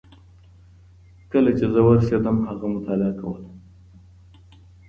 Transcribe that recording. کله چي زه ورسېدم هغه مطالعه کوله.